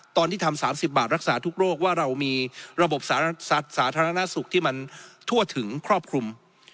ตอนที่ทำ๓๐บาทรักษาทุกโรคว่าเรามีระบบสาธารณสุขที่มันทั่วถึงครอบคลุม